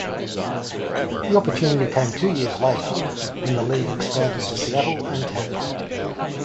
The opportunity came two years later, when the league expanded to Seattle and Tampa.